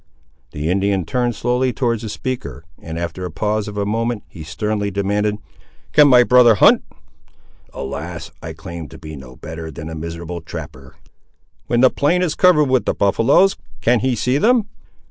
The Indian turned slowly towards the speaker, and after a pause of a moment he sternly demanded— "Can my brother hunt?" "Alas! I claim to be no better than a miserable trapper!" "When the plain is covered with the buffaloes, can he see them?"